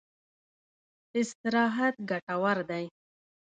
استراحت ګټور دی.